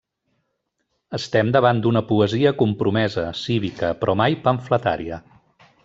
Estem davant d'una poesia compromesa, cívica; però mai pamfletària.